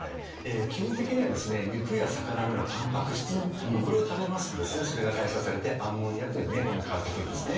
基本的には肉や魚のようなタンパク質を食べますとそれが代謝されてアンモニアに変わってくるんです。